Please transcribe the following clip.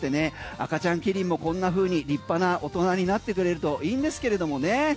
赤ちゃんキリンもこんなふうに立派な大人になってくれるといいんですけれどもね。